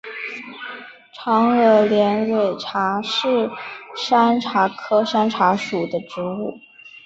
长萼连蕊茶是山茶科山茶属的植物。